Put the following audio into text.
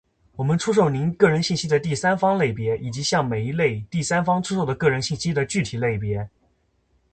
我们出售您个人信息的第三方类别，以及向每一类第三方出售的个人信息的具体类别。